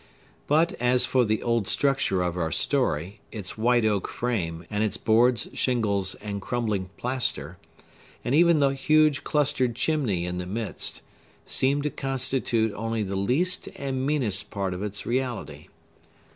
But as for the old structure of our story, its white oak frame, and its boards, shingles, and crumbling plaster, and even the huge, clustered chimney in the midst, seemed to constitute only the least and meanest part of its reality.